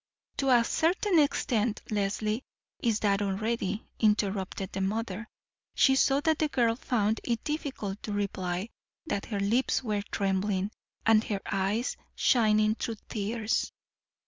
"To a certain extent Leslie is that already," interrupted the mother. She saw that the girl found it difficult to reply, that her lips were trembling, and her eyes shining through tears.